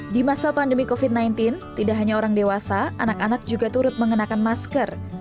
di masa pandemi covid sembilan belas tidak hanya orang dewasa anak anak juga turut mengenakan masker